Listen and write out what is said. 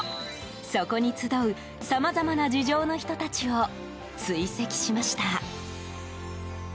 そこに集うさまざまな事情の人たちを追跡しました。